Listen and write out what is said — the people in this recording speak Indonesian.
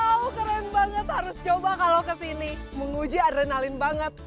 oh keren banget harus coba kalau kesini menguji adrenalin banget